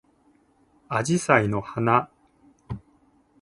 あじさいの花